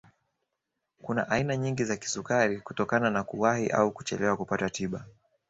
Kuna aina nyingi za kisukari kutokana na kuwahi au kuchelewa kupata tiba